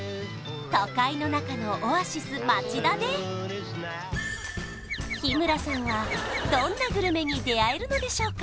都会の中のオアシス町田で日村さんはどんなグルメに出会えるのでしょうか？